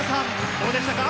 どうでしたか？